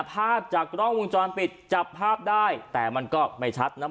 ภาพจากกล้องวงจรปิดจับภาพได้แต่มันก็ไม่ชัดนะ